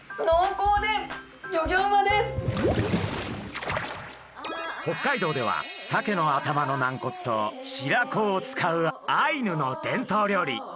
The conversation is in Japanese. のうこうで北海道ではサケの頭の軟骨と白子を使うアイヌの伝統料理